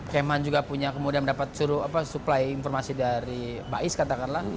km han juga punya kemudian mendapat suplai informasi dari bais katakanlah